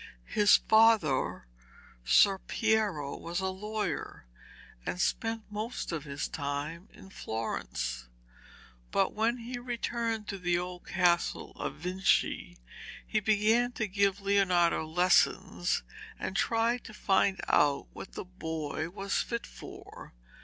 His father, Ser Piero, was a lawyer, and spent most of his time in Florence, but when he returned to the old castle of Vinci, he began to give Leonardo lessons and tried to find out what the boy was fit for.